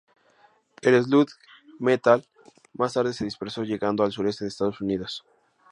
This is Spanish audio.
El sludge metal más tarde se dispersó llegando al sureste de Estados Unidos.